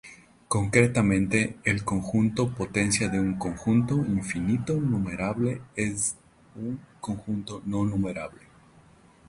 Concretamente, el conjunto potencia de un conjunto infinito numerable es un conjunto no numerable.